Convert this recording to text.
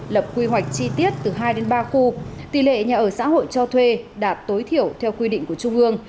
lập quy hoạch chi tiết từ hai đến ba khu tỷ lệ nhà ở xã hội cho thuê đạt tối thiểu theo quy định của trung ương